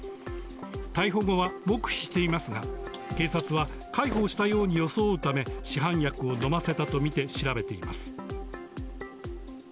逮捕後は黙秘していますが、警察は介抱したように装うため、市販薬を飲ませたと見て調べています。